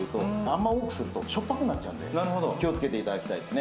あんまり多くするとしょっぱくなっちゃうので気を付けていただきたいです。